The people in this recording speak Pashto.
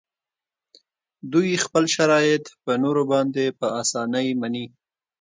دوی خپل شرایط په نورو باندې په اسانۍ مني